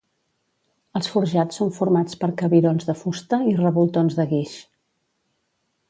Els forjats són formats per cabirons de fusta i revoltons de guix.